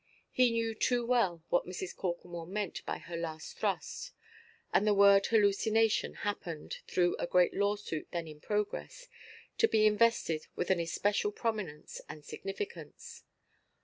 He knew too well what Mrs. Corklemore meant by her last thrust; and the word "hallucination" happened, through a great lawsuit then in progress, to be invested with an especial prominence and significance.